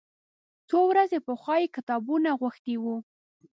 څو ورځې پخوا یې کتابونه غوښتي و.